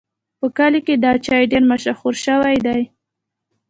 په کلي کې دا چای ډېر مشهور شوی دی.